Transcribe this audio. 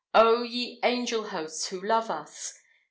O, ye angel hosts who love us!